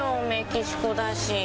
メキシコだし。